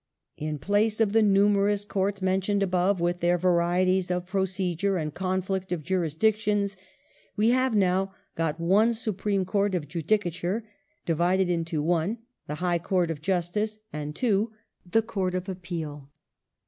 In place of the numerous Courts mentioned above, with their varieties of procedure and conflict of jurisdictions, we have now got one Supreme Court of Judicature divided into (1) the High Court of Justice and (2) the Court of Appeal.